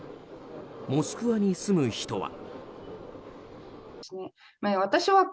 モスクワに住む人は。